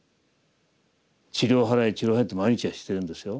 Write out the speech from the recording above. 「塵を払え塵を払え」って毎日してるんですよ。